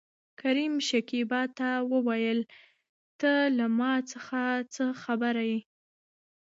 کريم شکيبا ته وويل ته له ما څخه څه خبره يې؟